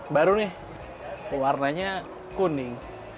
baru nih warnanya kuning